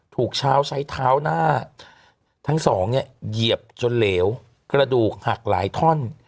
เช้าใช้เท้าหน้าทั้งสองเนี่ยเหยียบจนเหลวกระดูกหักหลายท่อน